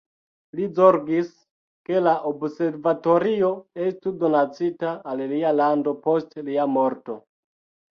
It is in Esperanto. Li zorgis, ke la observatorio estu donacita al lia lando post lia morto.